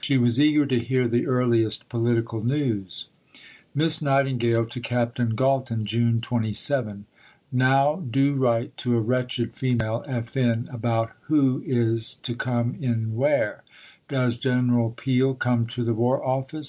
She was eager to hear the earliest political news: (Miss Nightingale to Captain Galton.) June 27.... Now do write to a wretched female, F. N., about who is to come in where. Does Gen. Peel come to the War Office?